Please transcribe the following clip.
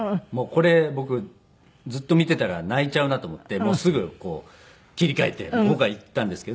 これ僕ずっと見ていたら泣いちゃうなと思ってすぐ切り替えて僕は行ったんですけど。